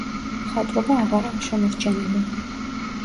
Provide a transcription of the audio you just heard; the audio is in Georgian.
მხატვრობა აღარაა შემორჩენილი.